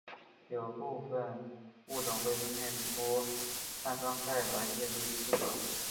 有部分物种会分泌出碳酸钙来建立栖管。